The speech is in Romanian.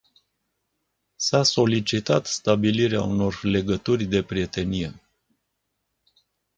S-a solicitat stabilirea unor legături de prietenie.